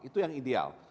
itu yang ideal